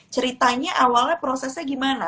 ceritanya awalnya prosesnya gimana